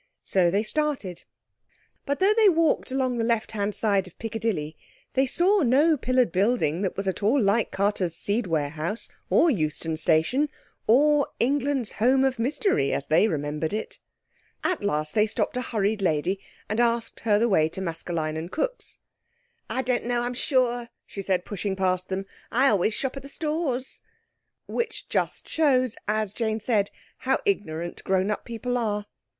So they started. But though they walked along the left hand side of Piccadilly they saw no pillared building that was at all like Carter's seed warehouse or Euston Station or England's Home of Mystery as they remembered it. At last they stopped a hurried lady, and asked her the way to Maskelyne and Cooke's. "I don't know, I'm sure," she said, pushing past them. "I always shop at the Stores." Which just shows, as Jane said, how ignorant grown up people are.